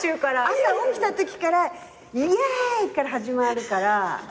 朝起きたときから「イェーイ！」から始まるから。